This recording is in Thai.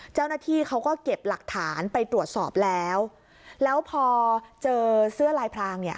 เจ้าหน้าที่เขาก็เก็บหลักฐานไปตรวจสอบแล้วแล้วพอเจอเสื้อลายพรางเนี่ย